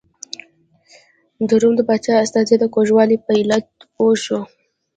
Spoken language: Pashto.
د روم د پاچا استازی د کوږوالي په علت پوه شو.